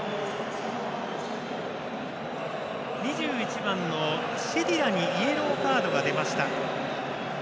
２１番のシェディラにイエローカードが出ました。